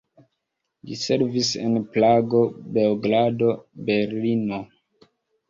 Li servis en Prago, Beogrado, Berlino.